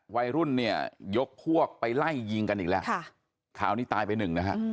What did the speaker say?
วัยรุ่นเนี่ยยกพวกไปไล่ยิงกันอีกแล้วคราวนี้ตายไปหนึ่งนะฮะ